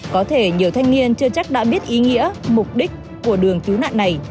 có thể nhiều thanh niên chưa chắc đã biết ý nghĩa mục đích của đường cứu nạn này